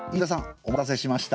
お待たせしました。